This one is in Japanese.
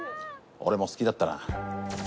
俺も好きだったな。